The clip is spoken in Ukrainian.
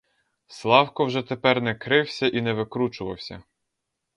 Славко вже тепер не крився і не викручувався.